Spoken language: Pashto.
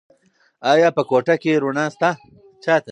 ایا په کوټه کې رڼا شته؟